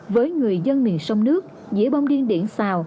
với người dân miền sông nước dĩa bông điện điển xào